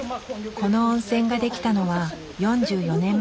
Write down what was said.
この温泉ができたのは４４年前。